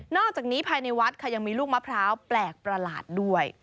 อกจากนี้ภายในวัดค่ะยังมีลูกมะพร้าวแปลกประหลาดด้วย